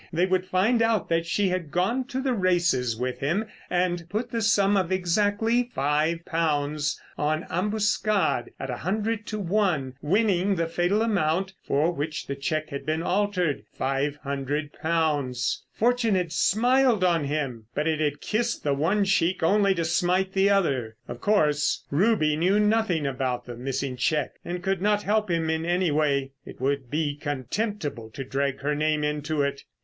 They would find out that she had gone to the races with him and put the sum of exactly five pounds on Ambuscade at a hundred to one, winning the fatal amount for which the cheque had been altered—five hundred pounds. Fortune had smiled on him, but it had kissed the one cheek only to smite the other. Of course, Ruby knew nothing about the missing cheque, and could not help him in any way. It would be contemptible to drag her name into it.